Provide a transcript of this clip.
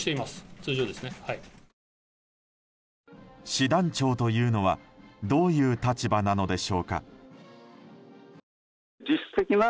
師団長というのはどういう立場なのでしょうか。